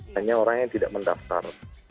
hanya orang yang tidak mendaftar